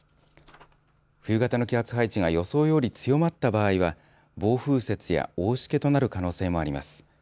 冬型の気圧配置が予想より強まった場合は暴風雪や大しけとなる可能性もあります。